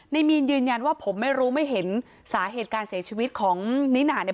มีนยืนยันว่าผมไม่รู้ไม่เห็นสาเหตุการเสียชีวิตของนิน่าเนี่ย